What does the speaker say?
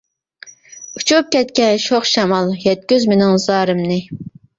ئۇچۇپ ئۆتكەن شوخ شامال، يەتكۈز مېنىڭ زارىمنى.